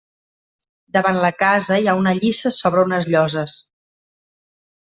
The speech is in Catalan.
Davant la casa hi ha una lliça sobre unes lloses.